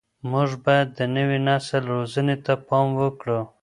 موږ باید د نوي نسل روزنې ته پام وکړو.